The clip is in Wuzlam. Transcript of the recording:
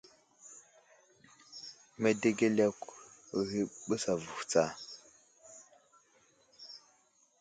Medegel yakw ghe ɓəs avohw tsa.